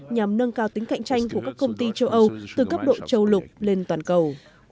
nhằm nâng cao tính cạnh tranh của các công ty châu âu từ cấp độ châu lục lên toàn cầu